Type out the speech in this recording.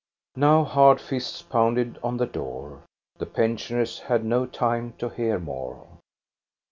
" Now hard fists pounded on the door. The pen sioners had no time to hear more.